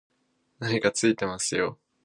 何かついてますよ